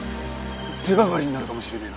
手がかりになるかもしれねえな。